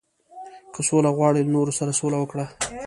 • که سوله غواړې، له نورو سره سوله وکړه.